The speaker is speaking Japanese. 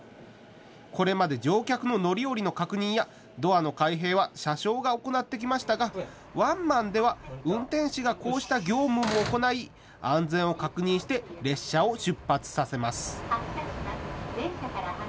これまで乗客の乗り降りの確認やドアの開閉は車掌が行ってきましたがワンマンでは運転士がこうした業務も行い安全を確認して列車を出発させます。